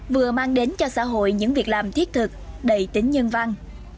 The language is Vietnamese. vừa mang đến cho xã hội những việc làm thiết thực đầy tính nhân văn